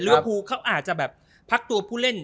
ภูเขาอาจจะแบบพักตัวผู้เล่น